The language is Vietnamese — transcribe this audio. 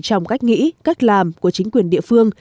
trong cách nghĩ cách làm của chính quyền địa phương